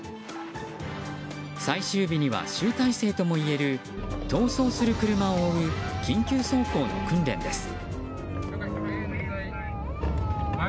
最終日には集大成ともいえる逃走する車を追う緊急走行の訓練です。